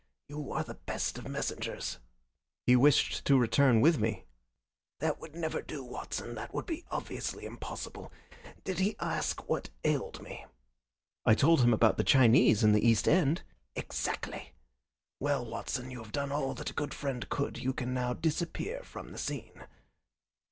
You are the best of messengers." "He wished to return with me." "That would never do, Watson. That would be obviously impossible. Did he ask what ailed me?" "I told him about the Chinese in the East End." "Exactly! Well, Watson, you have done all that a good friend could. You can now disappear from the scene."